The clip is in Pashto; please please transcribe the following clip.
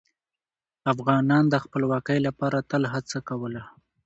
افغانان د خپلواکۍ لپاره تل هڅه کوله.